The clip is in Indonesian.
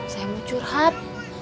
saya mau curhat